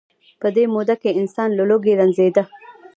په دې موده کې انسان له لوږې رنځیده.